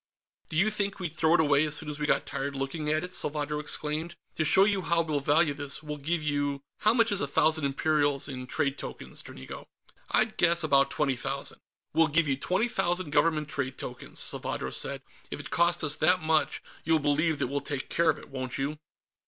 "Do you think we'd throw it away as soon as we got tired looking at it?" Salvadro exclaimed. "To show you how we'll value this, we'll give you ... how much is a thousand imperials in trade tokens, Dranigo?" "I'd guess about twenty thousand." "We'll give you twenty thousand Government trade tokens," Salvadro said. "If it costs us that much, you'll believe that we'll take care of it, won't you?"